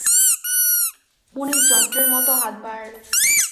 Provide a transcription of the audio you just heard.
মুনির যন্ত্রের মতো হাত বাড়াল।